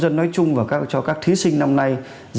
nói chung cho các thí sinh năm nay